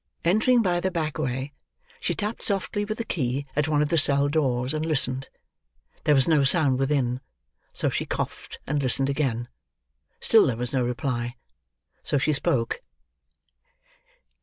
Entering by the back way, she tapped softly with the key at one of the cell doors, and listened. There was no sound within: so she coughed and listened again. Still there was no reply: so she spoke.